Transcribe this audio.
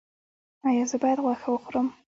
ایا زه باید غوښه وخورم؟